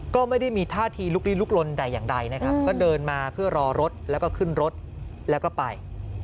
ก็ไม่ได้มีท่าทีลุกลีลุกลนแต่อย่างใดนะครับก็เดินมาเพื่อรอรถแล้วก็ขึ้นรถแล้วก็ไป